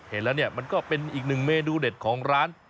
เห็นแล้วเนี่ยมันก็เป็นอีกหนึ่งเมนูเด็ดของร้าน